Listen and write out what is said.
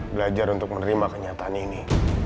belajar untuk menerima kenyataan ini